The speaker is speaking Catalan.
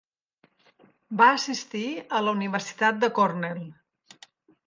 Va assistir a la Universitat de Cornell.